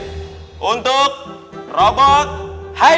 tepung tangan kalian